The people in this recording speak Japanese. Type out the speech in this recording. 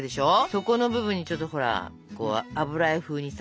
そこの部分にちょっとほら油絵風にさ。